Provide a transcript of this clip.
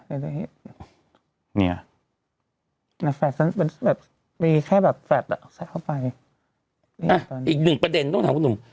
อ่ะนี่อ่ะแบบแบบแบบแบบอ่ะใส่เข้าไปอ่ะอีกหนึ่งประเด็นต้องถามคุณหนุ่ม